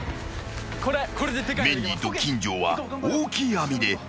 ［メンディーと金城は大きい網で］